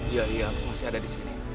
iya iya aku masih ada disini